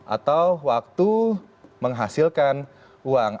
atau waktu menghasilkan uang